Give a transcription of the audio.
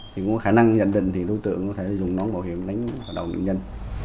thì có khả năng nhận định thì đối tượng có thể dùng nón bảo hiểm đánh đầu bệnh nhân